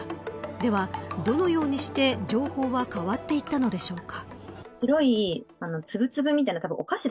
では、どのようにして情報は変わっていったのでしょうか。